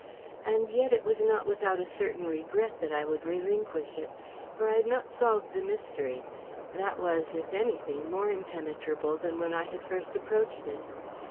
And yet, it was not without a certain regret that I would relinquish it for I had not solved the mystery; that was, if anything, more impenetrable than when I had first approached it.